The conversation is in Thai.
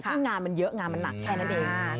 ครั้งงานมันเยอะงานมันนัดแค่นั่นเอง